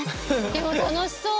でも楽しそう。